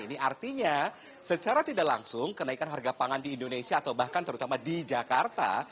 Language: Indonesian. ini artinya secara tidak langsung kenaikan harga pangan di indonesia atau bahkan terutama di jakarta